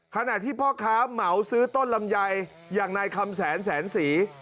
ขณะที่พ่อค้าเหมาซื้อต้นลำไยอย่างนายคำแสนแสนศรี